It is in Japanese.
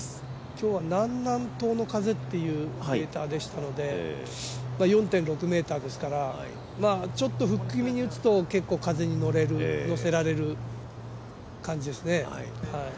今日は南南東の風というデータなので４．６メートルですからちょっとフック気味に打つと結構、風に乗せられる感じですね。